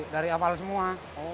dari awal semua